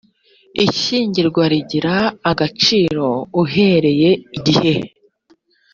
ishyingirwa rigira agaciro uhereye igihe